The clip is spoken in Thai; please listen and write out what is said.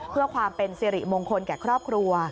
เพื่อความเป็นสิริมงคลแก่ครอบครัว